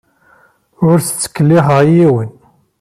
Ur as-ttkellixeɣ i yiwen.